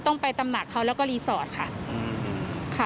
ต้องไปตำหนักเขาแล้วก็รีสอร์ทค่ะ